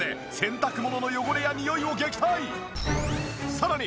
さらに。